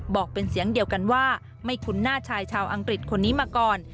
บอกเป็นเสียงเดียวกันว่าไม่คุ้นหน้าชายชาวอังกฤษคนนี้มาก่อน